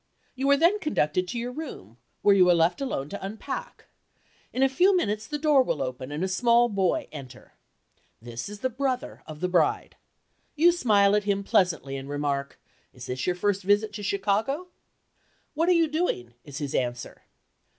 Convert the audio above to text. You are then conducted to your room, where you are left alone to unpack. In a few minutes the door will open and a small boy enter. This is the brother of the bride. You smile at him pleasantly and remark, "Is this your first visit to Chicago?" "What are you doing?" is his answer.